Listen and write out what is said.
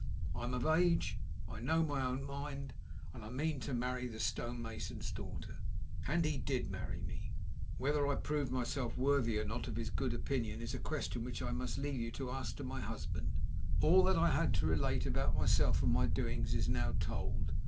I'm of age, I know my own mind, and I mean to marry the stone mason's daughter." And he did marry me. Whether I proved myself worthy or not of his good opinion is a question which I must leave you to ask my husband. All that I had to relate about myself and my doings is now told.